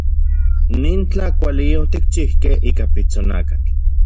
Nin tlakuali otikchijkej ika pitsonakatl.